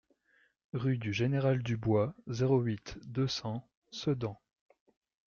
Rue du Général Dubois, zéro huit, deux cents Sedan